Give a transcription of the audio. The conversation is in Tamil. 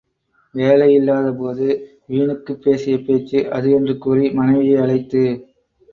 வேலையில்லாதபோது வீணுக்குப் பேசிய பேச்சு அது என்று கூறி, மனைவியை அழைத்து.